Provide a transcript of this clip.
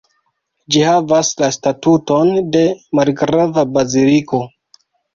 Ĝi havas la statuton de malgrava baziliko.